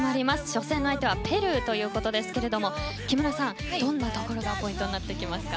初戦の相手はペルーということですが木村さん、どんなところがポイントになりますか？